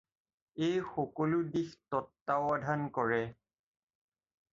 এই সকলো দিশ তত্বাৱধান কৰে।